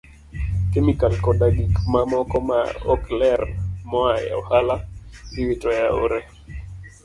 Kemikal koda gik mamoko ma ok ler moa e ohala, iwito e aore.